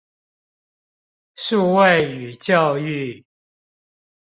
數位與教育